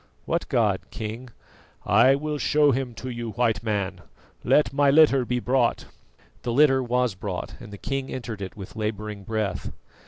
"What god, King?" "I will show him to you, White Man. Let my litter be brought." The litter was brought and the king entered it with labouring breath.